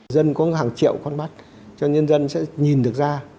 dân có hàng triệu con mắt cho nhân dân sẽ nhìn được ra